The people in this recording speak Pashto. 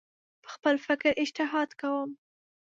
په خپل فکر اجتهاد کوم